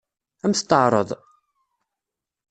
Ad m-t-teɛṛeḍ?